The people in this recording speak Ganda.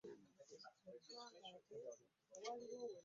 Abamu ku mmwe mwandibadde mukaaba bukaabi.